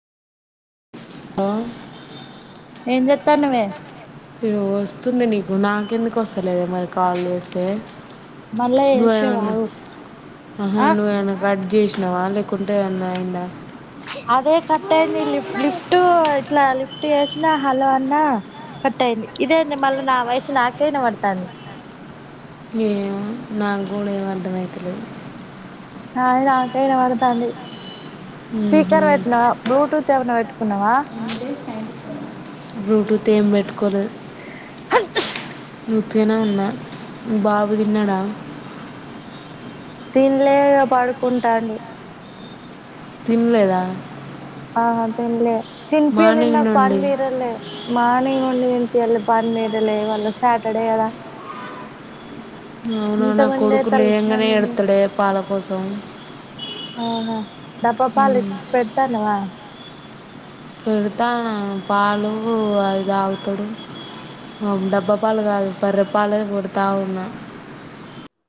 Hello ఏం జెత్తన్నవే యో వస్తుంది నీకు నాకెందుకు వస్ తేలేదు మరి కాల్ చేస్తే మళ్ళా చేసేవ్ నువ్వేమన్న ఆగు ఆ [unintelligible] చేసినవ లే కుంటే ఏమన్న అయిందా అదే కట్ అయింది లిఫ్ లిఫ్ట్ ఇట్లా లిఫ్ట్ చేసినా హలో అన్నా కట్ అయింది ఇదే అండి మళ్ళీ నా వయసు నాకె యినపడతంది ఏమో నాకు కూడా ఏం అర్థమవుతలేదు నాది నాకే ఇనబడతాంది మ్హూ. స్పీకర్ వెట్టిన బ్లూటూత్ ఏవైనా పెట్టుకున్నావా బ్లూటూత్ ఏం పెట్టుకోలేదు అ నే ఉత్తిగనే ఉన్నా బాబు తిన్నడా తిన్లే ఇగ పడుకుంటాండు తిన్లేదా ఆ తిన్లే తిన్పియలే నాకు పని నుండి తీరలే మార్నింగ్ ను నుండి తిన్పియలే పని తీరలే ఇవ్వాళ సాటర్డే కదా అవును ఇంత నా మందే కొడుకు లేయంగానే తలస్నానం చేసి ఎడుత్తడె పాల కోసం ఆహా డబ్బా పాలు పెడతాన్నవా పెడతాన పాలు అవి తాగుతడు డబ్బా పాలు కాదు బర్రె పాలు పెడతా ఉన్నా